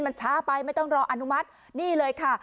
มันช้าไปไม่ต้องรออนุมัตินี่เลยค่ะ